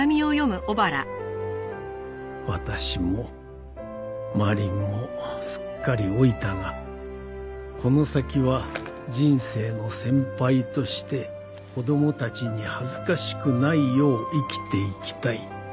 「私もマリンもすっかり老いたがこの先は人生の先輩として子供達に恥ずかしくないよう生きていきたい」